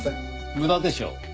無駄でしょう。